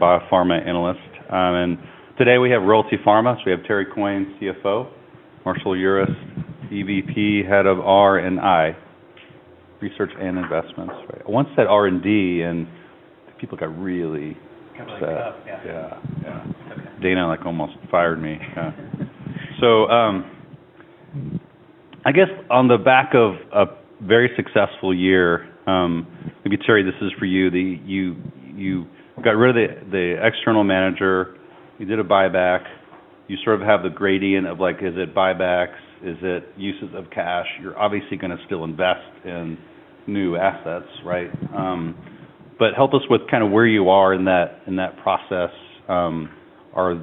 Biopharma analyst and today we have Royalty Pharma, so we have Terry Coyne, CFO; Marshall Urist, EVP, Head of R&I, research and investments. Right. Once that R&D and people got really. Kind of like hooked up, yeah. Yeah. Yeah. Okay. Dana like almost fired me. Yeah. So, I guess on the back of a very successful year, maybe Terry, this is for you. You got rid of the external manager. You did a buyback. You sort of have the gradient of like, is it buybacks? Is it uses of cash? You're obviously gonna still invest in new assets, right? but help us with kind of where you are in that process. Are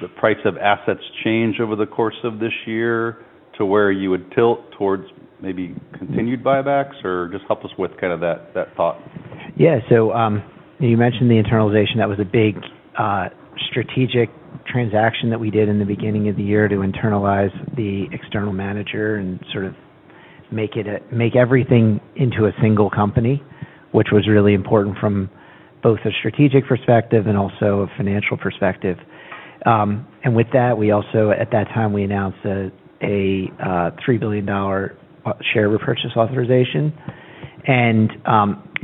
the price of assets changed over the course of this year to where you would tilt towards maybe continued buybacks or just help us with kind of that thought? Yeah. So, you mentioned the internalization. That was a big, strategic transaction that we did in the beginning of the year to internalize the external manager and sort of make everything into a single company, which was really important from both a strategic perspective and also a financial perspective. And with that, we also, at that time, we announced a $3 billion share repurchase authorization. And,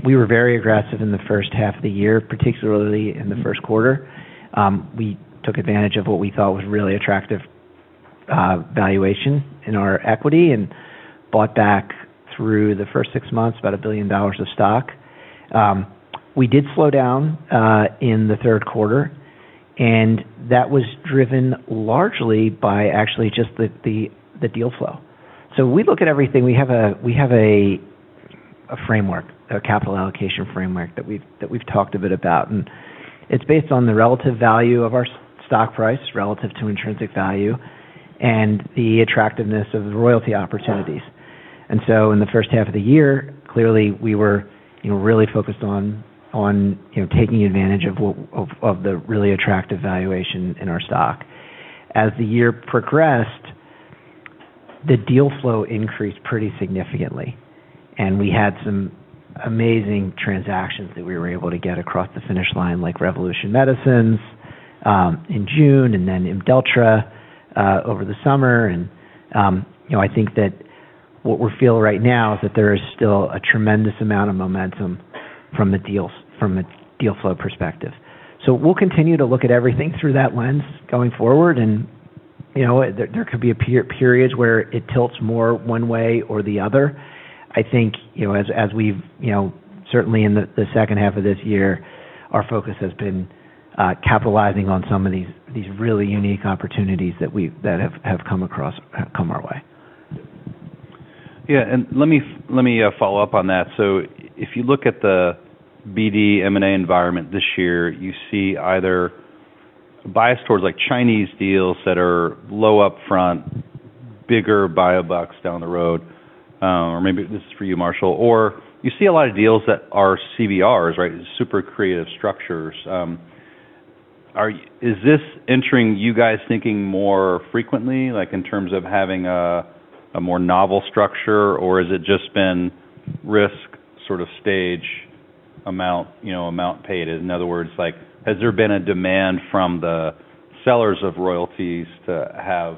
we were very aggressive in the first half of the year, particularly in the first quarter. We took advantage of what we thought was really attractive, valuation in our equity and bought back through the first six months about $1 billion of stock. We did slow down, in the third quarter, and that was driven largely by actually just the deal flow. So we look at everything. We have a capital allocation framework that we've talked a bit about, and it's based on the relative value of our stock price relative to intrinsic value and the attractiveness of the royalty opportunities. And so in the first half of the year, clearly we were, you know, really focused on, you know, taking advantage of the really attractive valuation in our stock. As the year progressed, the deal flow increased pretty significantly, and we had some amazing transactions that we were able to get across the finish line, like Revolution Medicines, in June, and then Imdeltra, over the summer. And, you know, I think that what we're feeling right now is that there is still a tremendous amount of momentum from the deals, from a deal flow perspective. We'll continue to look at everything through that lens going forward. You know, there could be periods where it tilts more one way or the other. I think, you know, as we've, you know, certainly in the second half of this year, our focus has been capitalizing on some of these really unique opportunities that have come our way. Yeah. And let me, let me, follow up on that. So if you look at the BD M&A environment this year, you see either bias towards like Chinese deals that are low upfront, bigger buybacks down the road, or maybe this is for you, Marshall, or you see a lot of deals that are CVRs, right? Super creative structures. Are you, is this entering you guys thinking more frequently, like in terms of having a, a more novel structure, or has it just been risk sort of stage amount, you know, amount paid? In other words, like, has there been a demand from the sellers of royalties to have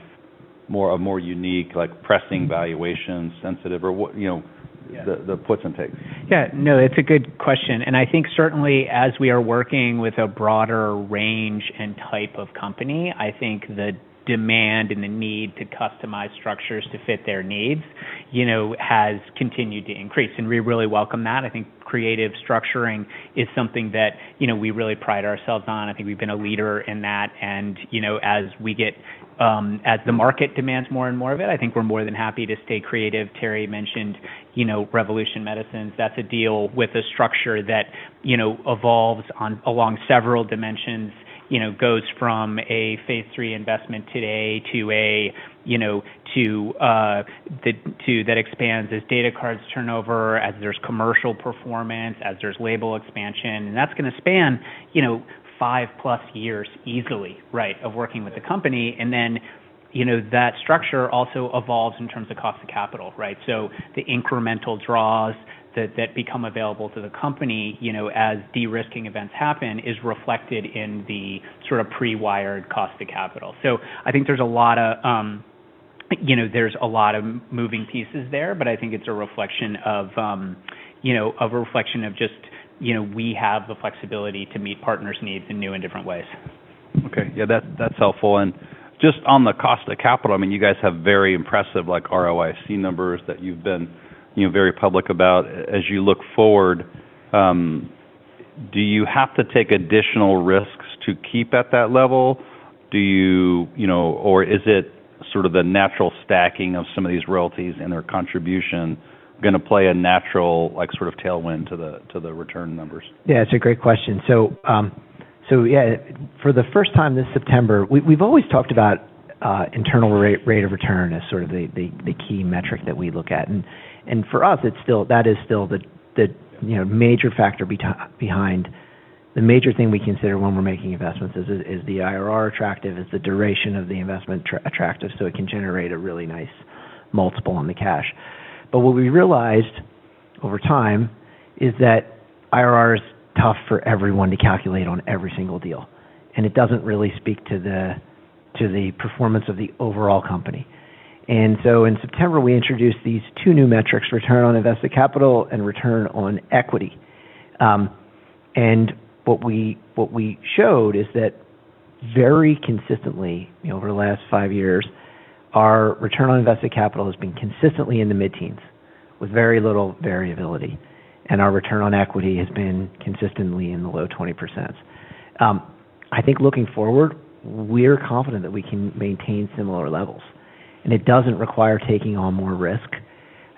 more, a more unique, like pressing valuation sensitive or what, you know, the, the puts and takes? Yeah. No, it's a good question. And I think certainly as we are working with a broader range and type of company, I think the demand and the need to customize structures to fit their needs, you know, has continued to increase. And we really welcome that. I think creative structuring is something that, you know, we really pride ourselves on. I think we've been a leader in that. And, you know, as we get, as the market demands more and more of it, I think we're more than happy to stay creative. Terry mentioned, you know, Revolution Medicines. That's a deal with a structure that, you know, evolves along several dimensions, you know, goes from a phase 3 investment today to one that expands as data accrues, as there's commercial performance, as there's label expansion. And that's gonna span, you know, five plus years easily, right, of working with the company. And then, you know, that structure also evolves in terms of cost of capital, right? So the incremental draws that become available to the company, you know, as de-risking events happen is reflected in the sort of pre-wired cost of capital. So I think there's a lot of, you know, there's a lot of moving pieces there, but I think it's a reflection of just, you know, we have the flexibility to meet partners' needs in new and different ways. Okay. Yeah, that, that's helpful. And just on the cost of capital, I mean, you guys have very impressive like ROIC numbers that you've been, you know, very public about. As you look forward, do you have to take additional risks to keep at that level? Do you, you know, or is it sort of the natural stacking of some of these royalties and their contribution gonna play a natural like sort of tailwind to the return numbers? Yeah, that's a great question. So yeah, for the first time this September, we've always talked about internal rate of return as sort of the key metric that we look at. And for us, it's still that is still the you know major factor behind the major thing we consider when we're making investments is the IRR attractive? Is the duration of the investment attractive so it can generate a really nice multiple on the cash? But what we realized over time is that IRR is tough for everyone to calculate on every single deal, and it doesn't really speak to the performance of the overall company. And so in September, we introduced these two new metrics, return on invested capital and return on equity. What we showed is that very consistently, you know, over the last five years, our return on invested capital has been consistently in the mid-teens with very little variability, and our return on equity has been consistently in the low 20%. I think looking forward, we're confident that we can maintain similar levels, and it doesn't require taking on more risk.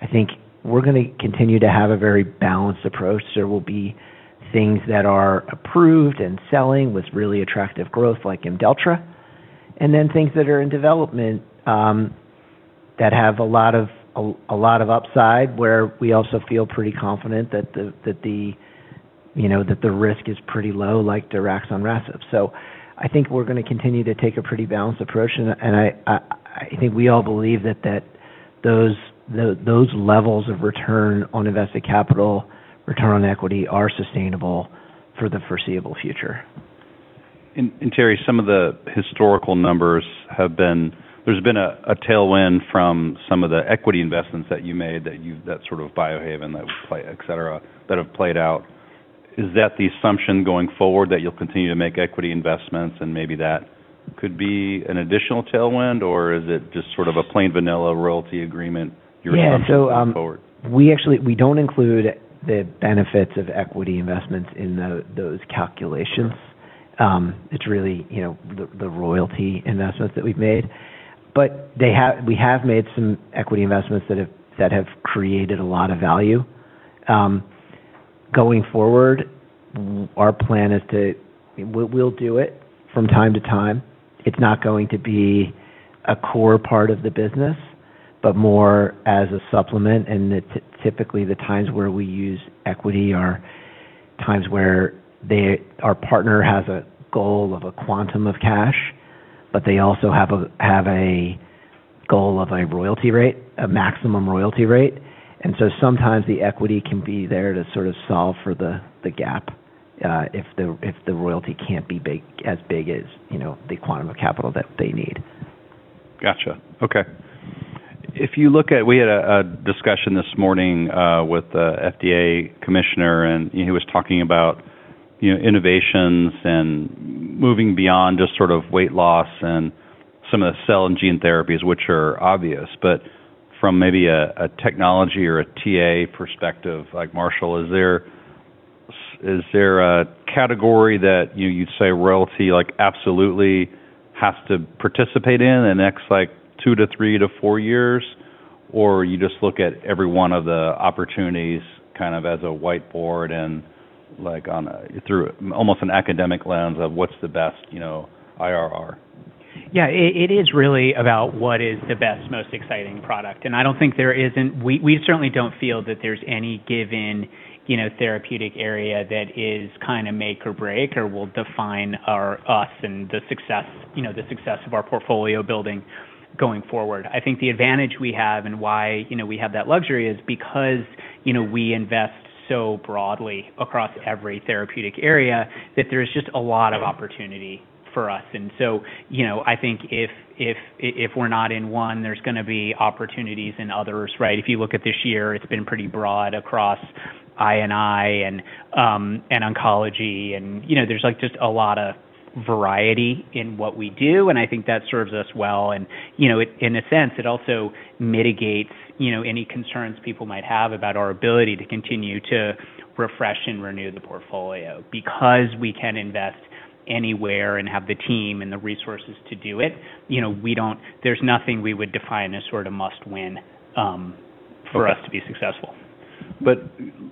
I think we're gonna continue to have a very balanced approach. There will be things that are approved and selling with really attractive growth like Imdeltra, and then things that are in development, that have a lot of upside where we also feel pretty confident that the, you know, that the risk is pretty low, like Dirac's on RACIP. So I think we're gonna continue to take a pretty balanced approach. I think we all believe that those levels of return on invested capital, return on equity are sustainable for the foreseeable future. Terry, some of the historical numbers have been a tailwind from some of the equity investments that you made, that sort of Biohaven play, etc., that have played out. Is that the assumption going forward that you'll continue to make equity investments and maybe that could be an additional tailwind, or is it just sort of a plain vanilla royalty agreement you're going to move forward? Yeah. So, we actually don't include the benefits of equity investments in those calculations. It's really, you know, the royalty investments that we've made. But we have made some equity investments that have created a lot of value. Going forward, our plan is to, we'll do it from time to time. It's not going to be a core part of the business, but more as a supplement. And it's typically the times where we use equity are times where our partner has a goal of a quantum of cash, but they also have a goal of a royalty rate, a maximum royalty rate. And so sometimes the equity can be there to sort of solve for the gap, if the royalty can't be as big as, you know, the quantum of capital that they need. Gotcha. Okay. If you look at, we had a discussion this morning with the FDA commissioner, and he was talking about, you know, innovations and moving beyond just sort of weight loss and some of the cell and gene therapies, which are obvious. But from maybe a technology or a TA perspective, like Marshall, is there a category that, you know, you'd say royalty like absolutely has to participate in the next like two to three to four years, or you just look at every one of the opportunities kind of as a whiteboard and like on a through almost an academic lens of what's the best, you know, IRR? Yeah. It is really about what is the best, most exciting product. And I don't think there is any. We certainly don't feel that there's any given, you know, therapeutic area that is kind of make or break or will define us and the success, you know, the success of our portfolio building going forward. I think the advantage we have and why, you know, we have that luxury is because, you know, we invest so broadly across every therapeutic area that there's just a lot of opportunity for us. And so, you know, I think if we're not in one, there's gonna be opportunities in others, right? If you look at this year, it's been pretty broad across INI and oncology. And, you know, there's like just a lot of variety in what we do, and I think that serves us well. You know, in a sense, it also mitigates, you know, any concerns people might have about our ability to continue to refresh and renew the portfolio because we can invest anywhere and have the team and the resources to do it. You know, we don't, there's nothing we would define as sort of must-win, for us to be successful. But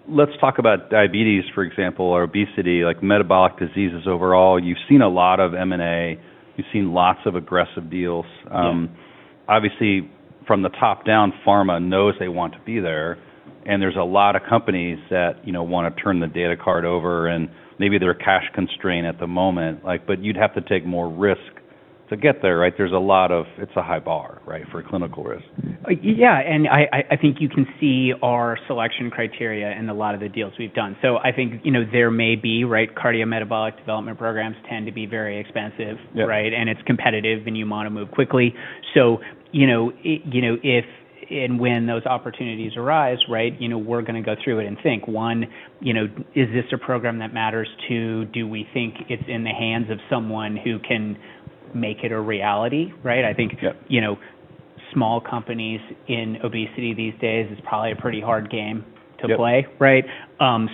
let's talk about diabetes, for example, or obesity, like metabolic diseases overall. You've seen a lot of M&A. You've seen lots of aggressive deals. Obviously from the top down, pharma knows they want to be there. And there's a lot of companies that, you know, wanna turn the data card over and maybe they're cash constrained at the moment. Like, but you'd have to take more risk to get there, right? There's a lot of, it's a high bar, right, for clinical risk. Yeah, and I think you can see our selection criteria in a lot of the deals we've done. So I think, you know, there may be, right, cardiometabolic development programs tend to be very expensive, right? And it's competitive and you wanna move quickly. So, you know, if and when those opportunities arise, right, you know, we're gonna go through it and think, one, you know, is this a program that matters too? Do we think it's in the hands of someone who can make it a reality? Right? I think, you know, small companies in obesity these days is probably a pretty hard game to play, right?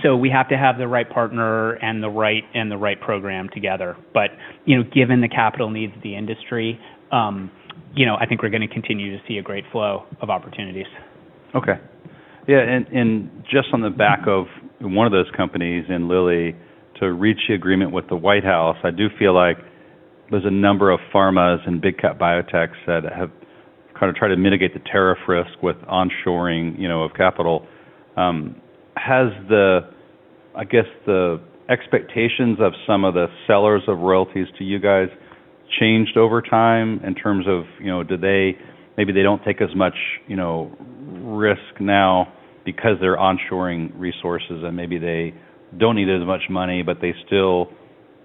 So we have to have the right partner and the right program together. But, you know, given the capital needs of the industry, you know, I think we're gonna continue to see a great flow of opportunities. Okay. Yeah. And, and just on the back of one of those companies, Lilly, to reach the agreement with the White House, I do feel like there's a number of pharmas and big cap biotechs that have kind of tried to mitigate the tariff risk with onshoring, you know, of capital. Has the, I guess, the expectations of some of the sellers of royalties to you guys changed over time in terms of, you know, do they, maybe they don't take as much, you know, risk now because they're onshoring resources and maybe they don't need as much money, but they still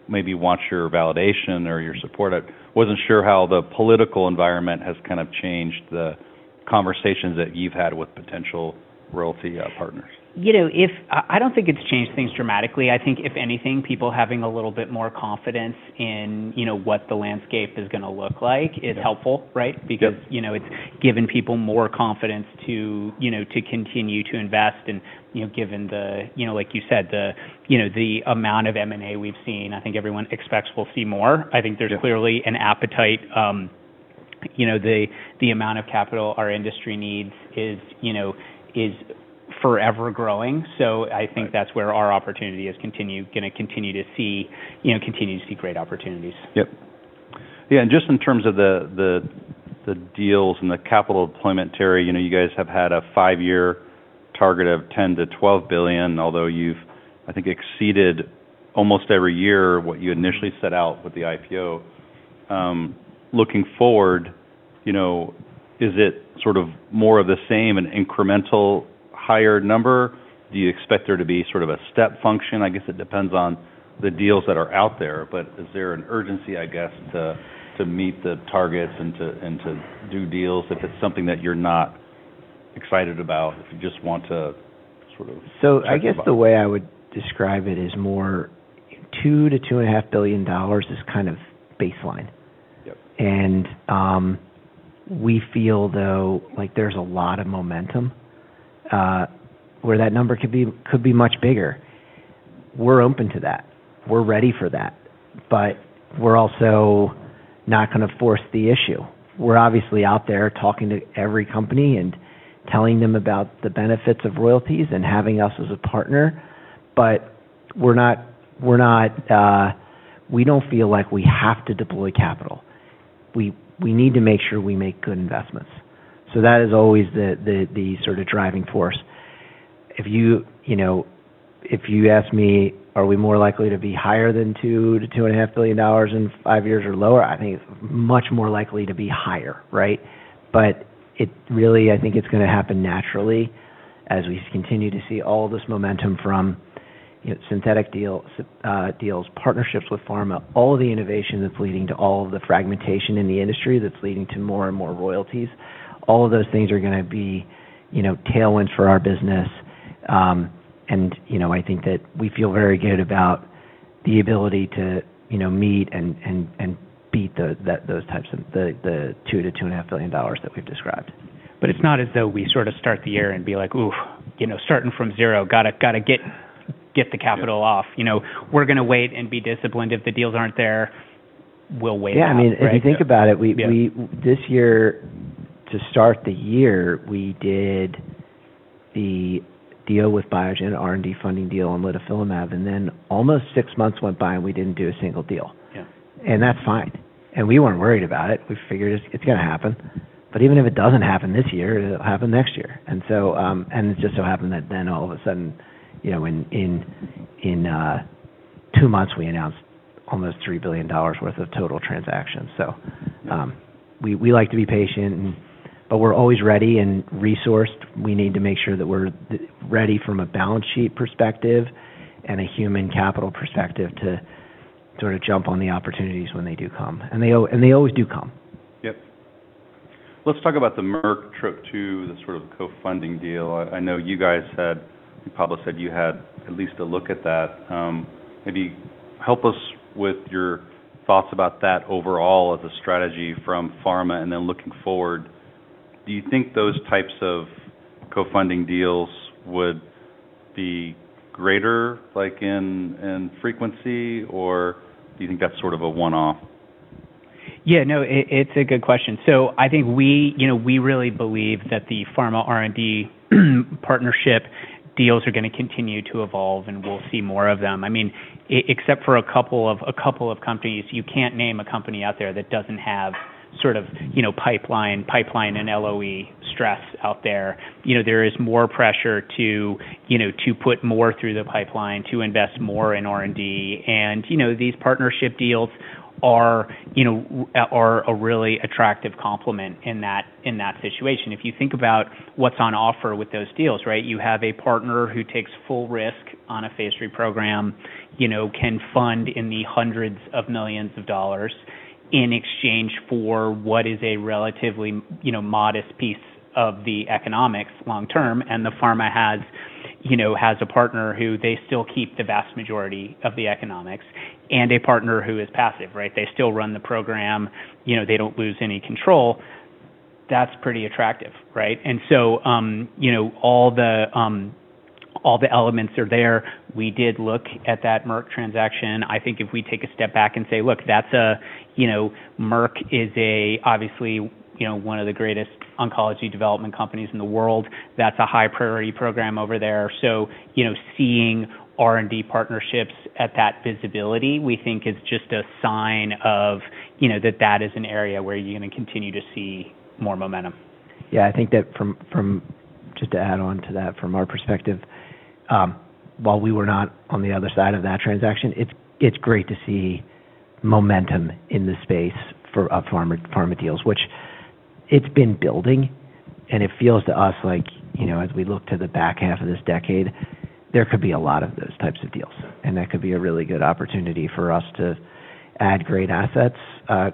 maybe want your validation or your support? I wasn't sure how the political environment has kind of changed the conversations that you've had with potential royalty partners. You know, if I don't think it's changed things dramatically. I think if anything, people having a little bit more confidence in, you know, what the landscape is gonna look like is helpful, right? Because, you know, it's given people more confidence to, you know, to continue to invest. And, you know, given the, you know, like you said, the amount of M&A we've seen, I think everyone expects we'll see more. I think there's clearly an appetite, you know, the amount of capital our industry needs is, you know, is forever growing. So I think that's where our opportunity is gonna continue to see, you know, great opportunities. Yep. Yeah. And just in terms of the deals and the capital deployment, Terry, you know, you guys have had a five-year target of $10-$12 billion, although you've, I think, exceeded almost every year what you initially set out with the IPO. Looking forward, you know, is it sort of more of the same an incremental higher number? Do you expect there to be sort of a step function? I guess it depends on the deals that are out there, but is there an urgency, I guess, to meet the targets and to do deals if it's something that you're not excited about, if you just want to sort of? So I guess the way I would describe it is more $2 billion-$2.5 billion is kind of baseline. Yep. We feel though like there's a lot of momentum where that number could be, could be much bigger. We're open to that. We're ready for that, but we're also not gonna force the issue. We're obviously out there talking to every company and telling them about the benefits of royalties and having us as a partner, but we're not. We're not. We don't feel like we have to deploy capital. We need to make sure we make good investments. So that is always the sort of driving force. If you know, if you ask me, are we more likely to be higher than $2-$2.5 billion in five years or lower, I think it's much more likely to be higher, right? But it really, I think it's gonna happen naturally as we continue to see all this momentum from, you know, synthetic deals, partnerships with pharma, all the innovation that's leading to all of the fragmentation in the industry that's leading to more and more royalties. All of those things are gonna be, you know, tailwinds for our business, and, you know, I think that we feel very good about the ability to, you know, meet and beat the, that those types of the $2 billion to $2.5 billion that we've described. But it's not as though we sort of start the year and be like, "Oof, you know, starting from zero, gotta get the capital off." You know, we're gonna wait and be disciplined. If the deals aren't there, we'll wait and see. Yeah. I mean, if you think about it, we this year to start the year, we did the deal with Biogen R&D funding deal on Litifilimab, and then almost six months went by and we didn't do a single deal. Yeah. And that's fine. We weren't worried about it. We figured it's gonna happen. But even if it doesn't happen this year, it'll happen next year. And so, it just so happened that then all of a sudden, you know, in two months, we announced almost $3 billion worth of total transactions. So, we like to be patient, but we're always ready and resourced. We need to make sure that we're ready from a balance sheet perspective and a human capital perspective to sort of jump on the opportunities when they do come. And they always do come. Yep. Let's talk about the Merck trip to the sort of co-funding deal. I know you guys had; you probably said you had at least a look at that. Maybe help us with your thoughts about that overall as a strategy from pharma and then looking forward. Do you think those types of co-funding deals would be greater, like in frequency, or do you think that's sort of a one-off? Yeah. No, it's a good question. So I think we, you know, we really believe that the pharma R&D partnership deals are gonna continue to evolve and we'll see more of them. I mean, except for a couple of, a couple of companies, you can't name a company out there that doesn't have sort of, you know, pipeline, pipeline and LOE stress out there. You know, there is more pressure to, you know, to put more through the pipeline, to invest more in R&D. And, you know, these partnership deals are, you know, are a really attractive complement in that, in that situation. If you think about what's on offer with those deals, right, you have a partner who takes full risk on a phase 3 program, you know, can fund in the hundreds of millions of dollars in exchange for what is a relatively, you know, modest piece of the economics long term. And the pharma has, you know, has a partner who they still keep the vast majority of the economics and a partner who is passive, right? They still run the program, you know, they don't lose any control. That's pretty attractive, right? And so, you know, all the, all the elements are there. We did look at that Merck transaction. I think if we take a step back and say, "Look, that's a, you know, Merck is a, obviously, you know, one of the greatest oncology development companies in the world. That's a high priority program over there." So, you know, seeing R&D partnerships at that visibility, we think is just a sign of, you know, that that is an area where you're gonna continue to see more momentum. Yeah. I think that from just to add on to that, from our perspective, while we were not on the other side of that transaction, it's great to see momentum in the space for pharma deals, which it's been building. And it feels to us like, you know, as we look to the back half of this decade, there could be a lot of those types of deals. And that could be a really good opportunity for us to add great assets,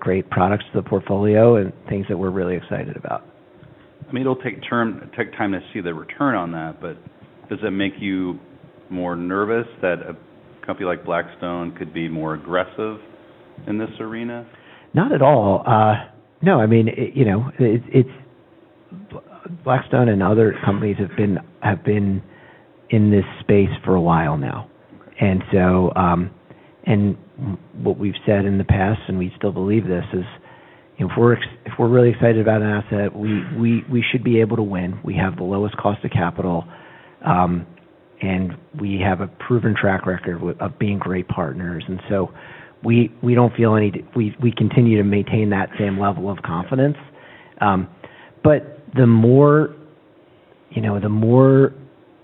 great products to the portfolio and things that we're really excited about. I mean, it'll take time to see the return on that, but does it make you more nervous that a company like Blackstone could be more aggressive in this arena? Not at all. No. I mean, you know, it's Blackstone and other companies have been in this space for a while now. And so, what we've said in the past, and we still believe this is, you know, if we're really excited about an asset, we should be able to win. We have the lowest cost of capital, and we have a proven track record of being great partners. And so we don't feel any, we continue to maintain that same level of confidence. But the more, you know, the more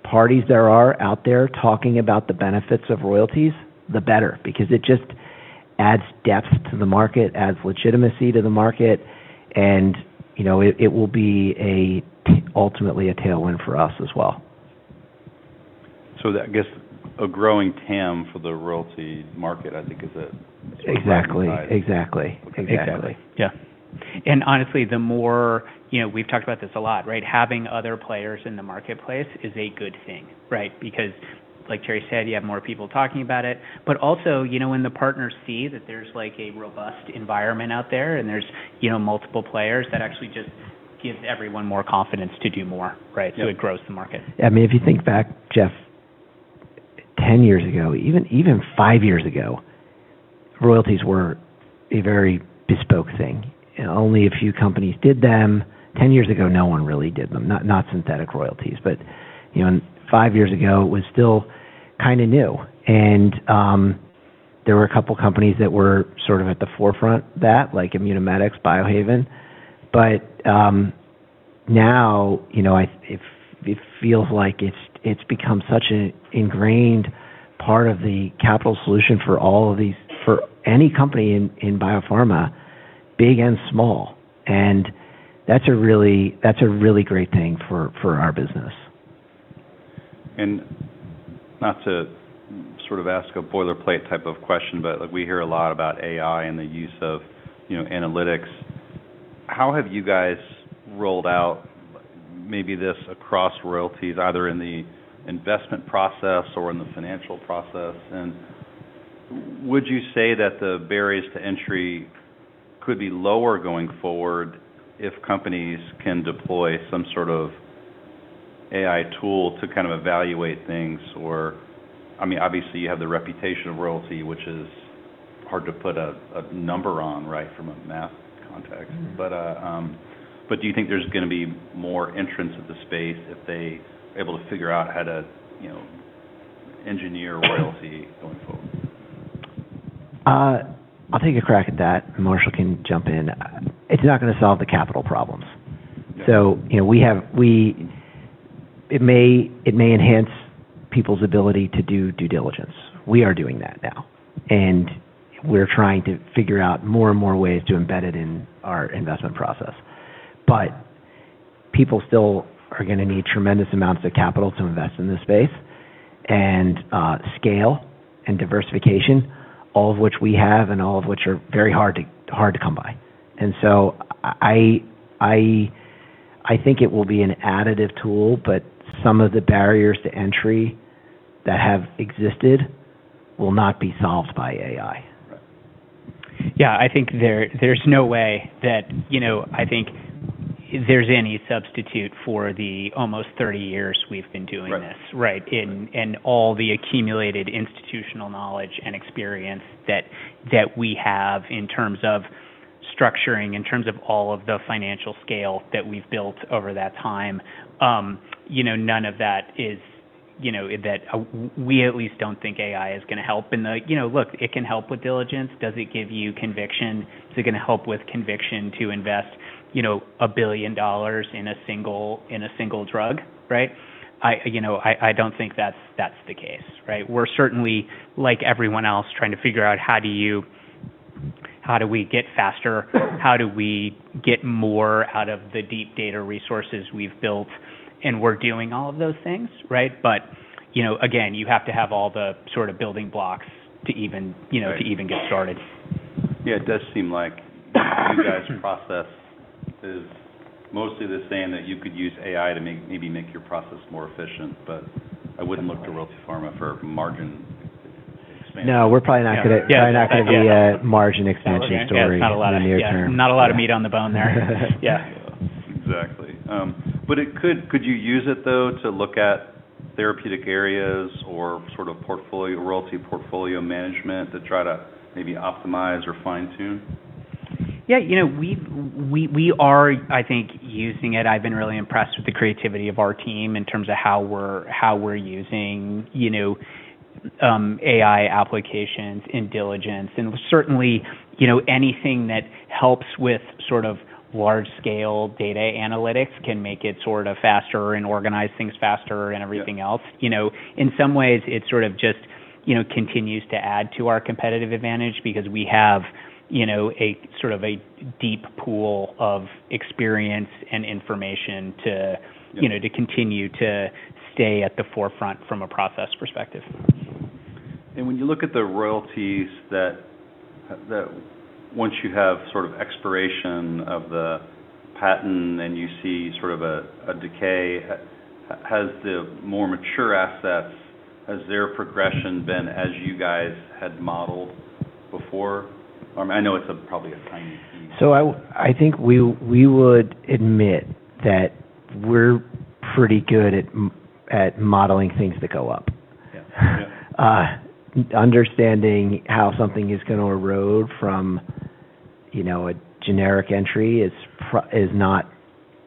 parties there are out there talking about the benefits of royalties, the better, because it just adds depth to the market, adds legitimacy to the market. And, you know, it will be ultimately a tailwind for us as well. So I guess a growing TAM for the royalty market, I think, is a good sign. Exactly. Exactly. Exactly. Okay. Yeah. And honestly, the more, you know, we've talked about this a lot, right? Having other players in the marketplace is a good thing, right? Because like Terry said, you have more people talking about it. But also, you know, when the partners see that there's like a robust environment out there and there's, you know, multiple players that actually just gives everyone more confidence to do more, right? So it grows the market. Yeah. I mean, if you think back, Jeff, 10 years ago, even, even 5 years ago, royalties were a very bespoke thing. And only a few companies did them. 10 years ago, no one really did them, not, not synthetic royalties. But, you know, and 5 years ago, it was still kind of new. And, there were a couple companies that were sort of at the forefront of that, like Immunomedics, Biohaven. But, now, you know, it feels like it's become such an ingrained part of the capital solution for all of these, for any company in biopharma, big and small. And that's a really, that's a really great thing for our business. And not to sort of ask a boilerplate type of question, but like we hear a lot about AI and the use of, you know, analytics. How have you guys rolled out maybe this across royalties, either in the investment process or in the financial process? And would you say that the barriers to entry could be lower going forward if companies can deploy some sort of AI tool to kind of evaluate things? Or, I mean, obviously you have the reputation of Royalty, which is hard to put a number on, right, from a math context. But do you think there's gonna be more entrants in the space if they are able to figure out how to, you know, engineer royalty going forward? I'll take a crack at that. Marshall can jump in. It's not gonna solve the capital problems, so you know, we have it may enhance people's ability to do due diligence. We are doing that now, and we're trying to figure out more and more ways to embed it in our investment process, but people still are gonna need tremendous amounts of capital to invest in this space and scale and diversification, all of which we have and all of which are very hard to come by, and so I think it will be an additive tool, but some of the barriers to entry that have existed will not be solved by AI. Yeah. I think there's no way that, you know, I think there's any substitute for the almost 30 years we've been doing this, right? And all the accumulated institutional knowledge and experience that we have in terms of structuring, in terms of all of the financial scale that we've built over that time, you know, none of that is, you know, that we at least don't think AI is gonna help in the, you know, look, it can help with diligence. Does it give you conviction? Is it gonna help with conviction to invest, you know, $1 billion in a single drug, right? You know, I don't think that's the case, right? We're certainly, like everyone else, trying to figure out how do you, how do we get faster, how do we get more out of the deep data resources we've built, and we're doing all of those things, right? But, you know, again, you have to have all the sort of building blocks to even, you know, get started. Yeah. It does seem like you guys' process is mostly the same that you could use AI to maybe make your process more efficient, but I wouldn't look to Royalty Pharma for margin expansion. No, we're probably not gonna be a margin expansion story. Not a lot of meat on the bone there. Yeah. Exactly. But it could. Could you use it though to look at therapeutic areas or sort of portfolio, royalty portfolio management to try to maybe optimize or fine-tune? Yeah. You know, we are, I think, using it. I've been really impressed with the creativity of our team in terms of how we're using, you know, AI applications in diligence. And certainly, you know, anything that helps with sort of large-scale data analytics can make it sort of faster and organize things faster and everything else. You know, in some ways, it sort of just, you know, continues to add to our competitive advantage because we have, you know, a sort of a deep pool of experience and information to, you know, to continue to stay at the forefront from a process perspective. When you look at the royalties that once you have sort of expiration of the patent and you see sort of a decay, has the more mature assets, has their progression been as you guys had modeled before? I mean, I know it's probably a tiny piece. So I think we would admit that we're pretty good at modeling things that go up. Yeah. Yeah. Understanding how something is gonna erode from, you know, a generic entry is not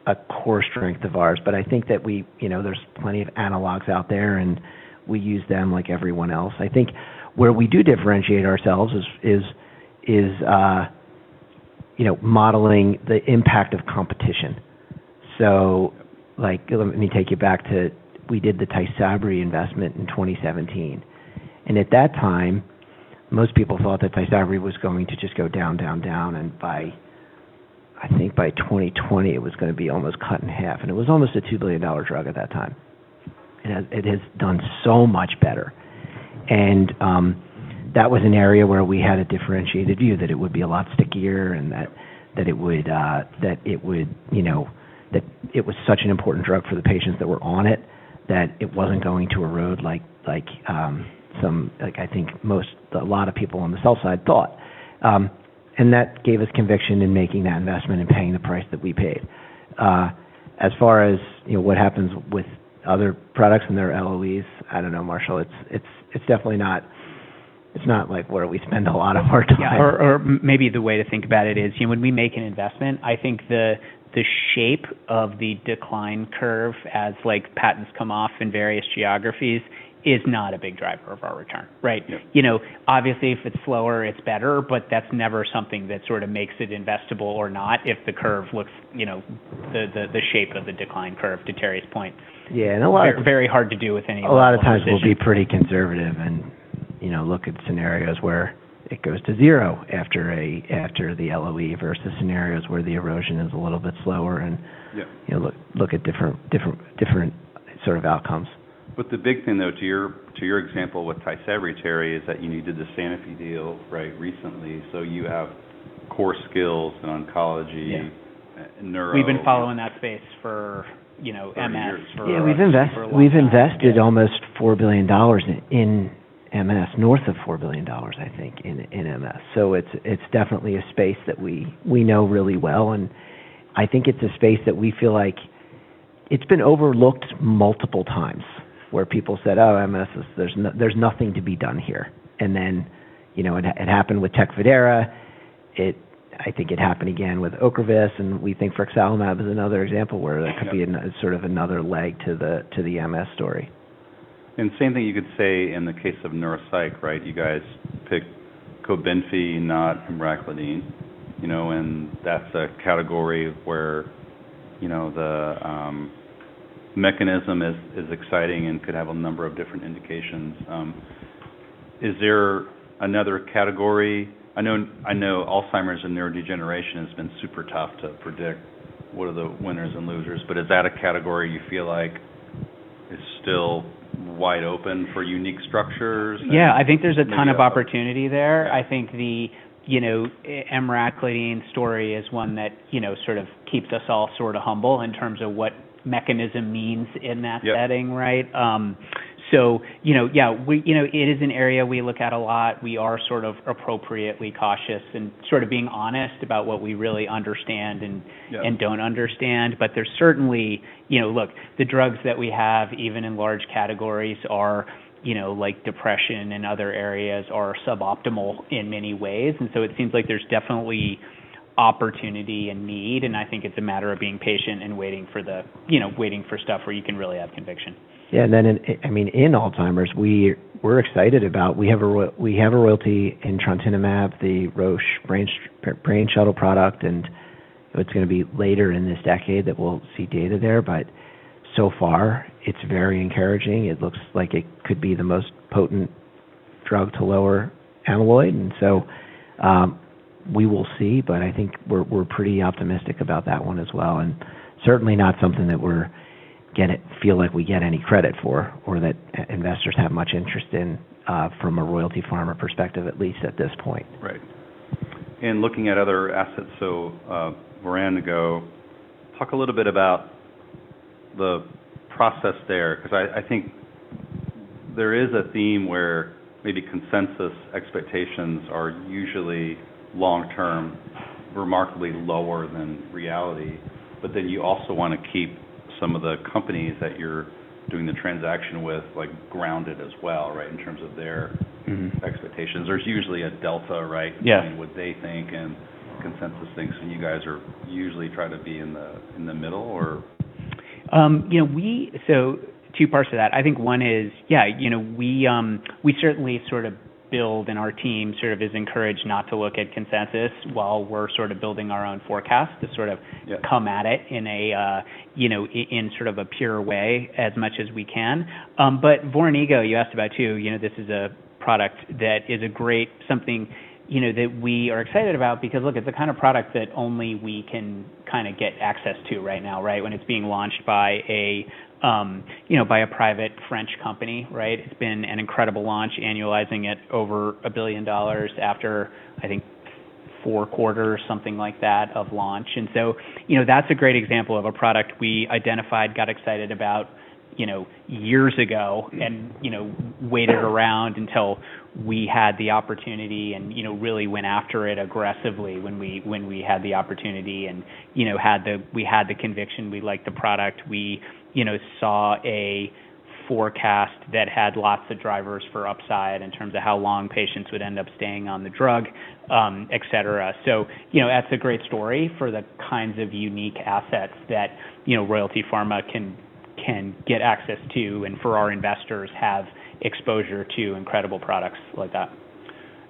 a core strength of ours. But I think that we, you know, there's plenty of analogs out there and we use them like everyone else. I think where we do differentiate ourselves is, you know, modeling the impact of competition. So like, let me take you back to we did the Tysabri investment in 2017. And at that time, most people thought that Tysabri was going to just go down, down, down. And I think by 2020, it was gonna be almost cut in half. And it was almost a $2 billion drug at that time. And it has done so much better. And that was an area where we had a differentiated view that it would be a lot stickier and that it would, you know, that it was such an important drug for the patients that were on it that it wasn't going to erode like some, like, I think most, a lot of people on the sell-side thought. And that gave us conviction in making that investment and paying the price that we paid. As far as, you know, what happens with other products and their LOEs, I don't know, Marshall. It's definitely not like where we spend a lot of our time. Yeah. Or, or maybe the way to think about it is, you know, when we make an investment, I think the shape of the decline curve as like patents come off in various geographies is not a big driver of our return, right? You know, obviously if it's slower, it's better, but that's never something that sort of makes it investable or not if the curve looks, you know, the shape of the decline curve to Terry's point. Yeah, and a lot of. Very hard to do with any of those things. A lot of times we'll be pretty conservative and, you know, look at scenarios where it goes to zero after the LOE versus scenarios where the erosion is a little bit slower and. Yeah. You know, look at different sort of outcomes. But the big thing though, to your example with Tysabri, Terry, is that you know, you did the Sanofi deal, right, recently. So you have core skills in oncology. Yeah. Neuro. We've been following that space for, you know, MS for. 10 years. Yeah. We've invested almost $4 billion in MS, north of $4 billion, I think, in MS. So it's definitely a space that we know really well. And I think it's a space that we feel like it's been overlooked multiple times where people said, "Oh, MS is; there's nothing to be done here." And then, you know, it happened with Tecfidera. It, I think it happened again with Ocrevus. And we think Frexalimab is another example where that could be a sort of another leg to the MS story. Same thing you could say in the case of neuropsych, right? You guys picked Cobenfy, not Emraclidine, you know, and that's a category where, you know, the mechanism is exciting and could have a number of different indications. Is there another category? I know, I know Alzheimer's and neurodegeneration has been super tough to predict what are the winners and losers, but is that a category you feel like is still wide open for unique structures? Yeah. I think there's a ton of opportunity there. I think the, you know, Emraclidine story is one that, you know, sort of keeps us all sort of humble in terms of what mechanism means in that setting, right? Yeah. So, you know, yeah, we, you know, it is an area we look at a lot. We are sort of appropriately cautious and sort of being honest about what we really understand and don't understand. But there's certainly, you know, look, the drugs that we have, even in large categories, are, you know, like depression and other areas are suboptimal in many ways. And so it seems like there's definitely opportunity and need. And I think it's a matter of being patient and waiting for the, you know, waiting for stuff where you can really have conviction. Yeah. And then in, I mean, in Alzheimer's, we're excited about. We have a royalty in Trontinamab, the Roche Brain Shuttle product. And it's gonna be later in this decade that we'll see data there. But so far, it's very encouraging. It looks like it could be the most potent drug to lower amyloid. And so, we will see. But I think we're pretty optimistic about that one as well. And certainly not something that we're getting, feel like we get any credit for or that investors have much interest in, from a Royalty Pharma perspective, at least at this point. Right. And looking at other assets, so, Voranigo, talk a little bit about the process there. 'Cause I think there is a theme where maybe consensus expectations are usually long-term remarkably lower than reality. But then you also wanna keep some of the companies that you're doing the transaction with, like grounded as well, right, in terms of their expectations. There's usually a delta, right? Yeah. Between what they think and consensus thinks and you guys are usually trying to be in the middle or? You know, we, so two parts of that. I think one is, yeah, you know, we certainly sort of build out our team sort of is encouraged not to look at consensus while we're sort of building our own forecast to sort of come at it in a, you know, in, in sort of a pure way as much as we can. But Voranigo, you asked about too, you know, this is a product that is a great, something, you know, that we are excited about because look, it's the kind of product that only we can kind of get access to right now, right? When it's being launched by a, you know, by a private French company, right? It's been an incredible launch, annualizing it over $1 billion after, I think, four quarters, something like that of launch. You know, that's a great example of a product we identified, got excited about, you know, years ago and, you know, waited around until we had the opportunity and, you know, really went after it aggressively when we had the opportunity and, you know, we had the conviction. We liked the product. We, you know, saw a forecast that had lots of drivers for upside in terms of how long patients would end up staying on the drug, et cetera. That's a great story for the kinds of unique assets that, you know, Royalty Pharma can get access to and for our investors have exposure to incredible products like that.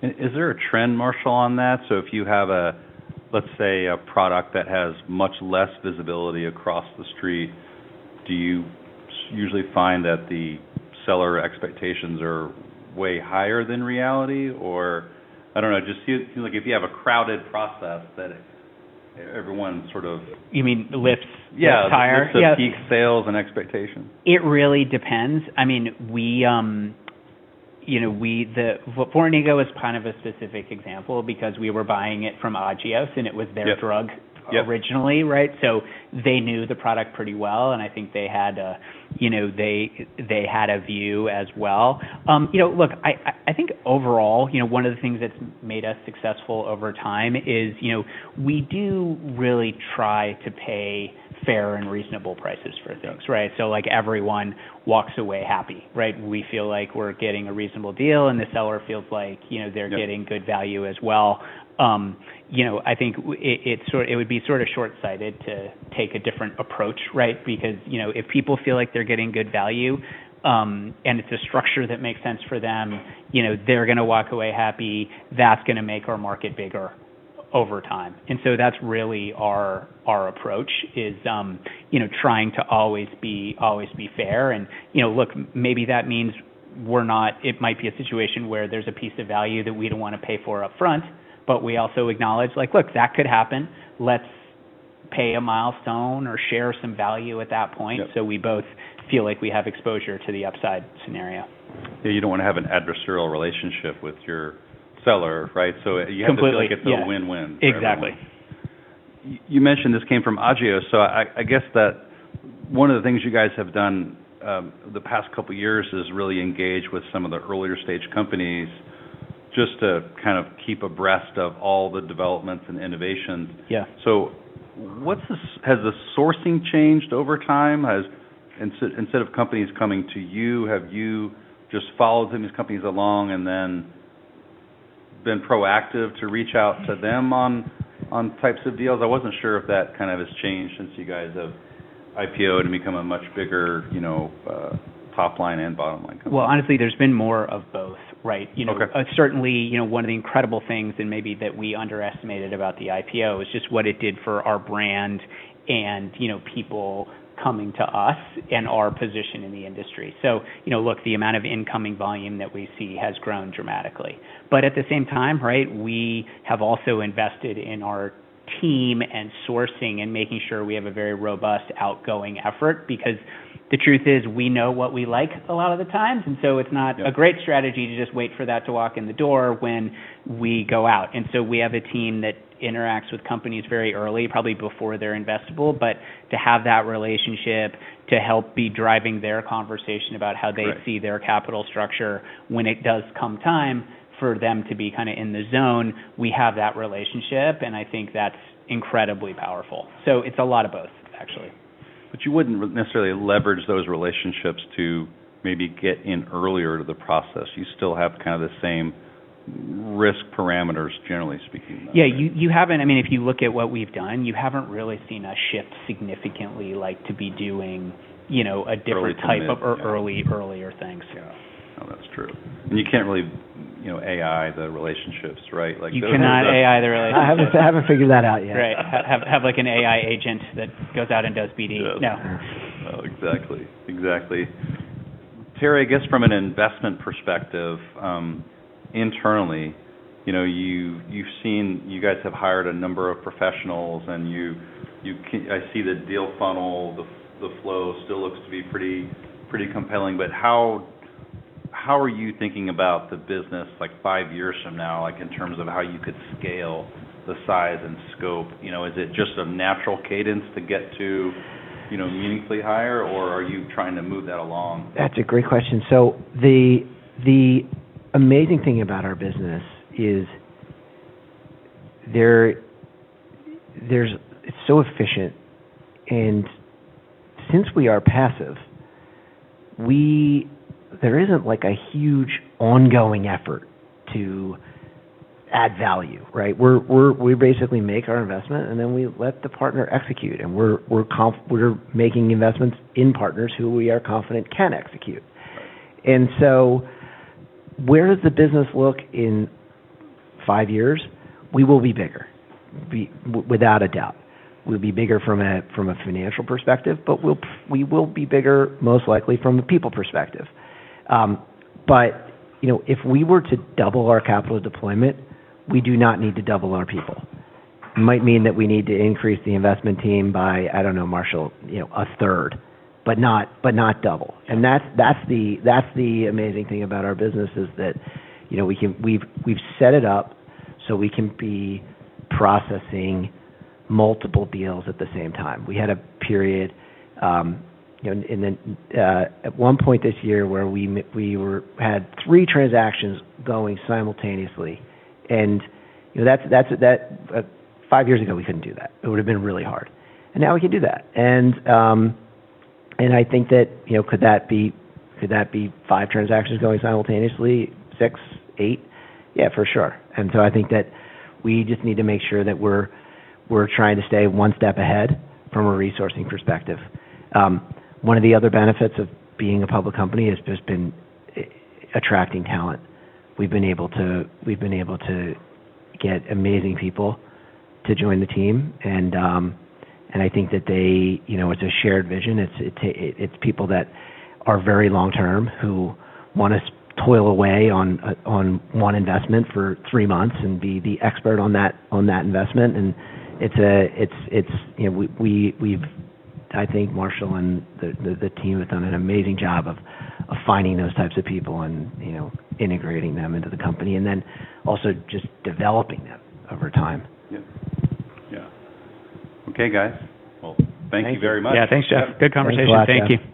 And is there a trend, Marshall, on that? So if you have a—let's say—a product that has much less visibility across the street, do you usually find that the seller expectations are way higher than reality or, I don't know, just see it seems like if you have a crowded process that everyone sort of. You mean lifts the tire? Yeah. It's a peak sales and expectation? It really depends. I mean, we, you know, the Voranigo is kind of a specific example because we were buying it from Agios and it was their drug originally, right? So they knew the product pretty well. And I think they had a view as well. You know, look, I think overall, you know, one of the things that's made us successful over time is, you know, we do really try to pay fair and reasonable prices for things, right? So like everyone walks away happy, right? We feel like we're getting a reasonable deal and the seller feels like, you know, they're getting good value as well. You know, I think it sort of would be sort of shortsighted to take a different approach, right? Because, you know, if people feel like they're getting good value, and it's a structure that makes sense for them, you know, they're gonna walk away happy. That's gonna make our market bigger over time. And so that's really our approach is, you know, trying to always be fair. And, you know, look, maybe that means we're not, it might be a situation where there's a piece of value that we don't wanna pay for upfront, but we also acknowledge like, look, that could happen. Let's pay a milestone or share some value at that point. Yeah. We both feel like we have exposure to the upside scenario. Yeah. You don't wanna have an adversarial relationship with your seller, right? So you have to feel like it's a win-win. Completely. Exactly. You mentioned this came from Agios, so I, I guess that one of the things you guys have done, the past couple of years is really engage with some of the earlier stage companies just to kind of keep abreast of all the developments and innovations. Yeah. Has the sourcing changed over time? Has, instead of companies coming to you, have you just followed some of these companies along and then been proactive to reach out to them on types of deals? I wasn't sure if that kind of has changed since you guys have IPO and become a much bigger, you know, top line and bottom line company. Honestly, there's been more of both, right? You know. Okay. Certainly, you know, one of the incredible things and maybe that we underestimated about the IPO is just what it did for our brand and, you know, people coming to us and our position in the industry. So, you know, look, the amount of incoming volume that we see has grown dramatically. But at the same time, right, we have also invested in our team and sourcing and making sure we have a very robust outgoing effort because the truth is we know what we like a lot of the times. And so it's not a great strategy to just wait for that to walk in the door when we go out. And so we have a team that interacts with companies very early, probably before they're investable. But to have that relationship to help be driving their conversation about how they see their capital structure when it does come time for them to be kind of in the zone, we have that relationship. And I think that's incredibly powerful. So it's a lot of both, actually. But you wouldn't necessarily leverage those relationships to maybe get in earlier to the process. You still have kind of the same risk parameters, generally speaking. Yeah. You haven't, I mean, if you look at what we've done, you haven't really seen us shift significantly like to be doing, you know, a different type of early, earlier things. Yeah. Oh, that's true, and you can't really, you know, AI the relationships, right? Like there's a lot of. You cannot AI the relationships. I haven't figured that out yet. Right. Have like an AI agent that goes out and does BD. No. Oh, exactly. Exactly. Terry, I guess from an investment perspective, internally, you know, you've seen you guys have hired a number of professionals and you can. I see the deal funnel; the flow still looks to be pretty compelling. But how are you thinking about the business like five years from now, like in terms of how you could scale the size and scope? You know, is it just a natural cadence to get to, you know, meaningfully higher or are you trying to move that along? That's a great question. So the amazing thing about our business is there's, it's so efficient. And since we are passive, there isn't like a huge ongoing effort to add value, right? We're, we basically make our investment and then we let the partner execute. And we're making investments in partners who we are confident can execute. And so where does the business look in five years? We will be bigger, without a doubt. We'll be bigger from a financial perspective, but we will be bigger most likely from a people perspective. But you know, if we were to double our capital deployment, we do not need to double our people. It might mean that we need to increase the investment team by, I don't know, Marshall, you know, a third, but not double. And that's the amazing thing about our business is that, you know, we've set it up so we can be processing multiple deals at the same time. We had a period, you know, at one point this year where we had three transactions going simultaneously. And, you know, that's, five years ago we couldn't do that. It would've been really hard, and now we can do that, and I think that, you know, could that be five transactions going simultaneously, six, eight? Yeah, for sure. And so I think that we just need to make sure that we're trying to stay one step ahead from a resourcing perspective. One of the other benefits of being a public company has just been attracting talent. We've been able to get amazing people to join the team. And I think that they, you know, it's a shared vision. It's people that are very long-term who wanna toil away on one investment for three months and be the expert on that investment. And it's, you know, we've, I think Marshall and the team have done an amazing job of finding those types of people and, you know, integrating them into the company and then also just developing them over time. Yeah. Yeah. Okay, guys. Well, thank you very much. Thanks. Yeah. Thanks, Jeff. Good conversation. Thank you.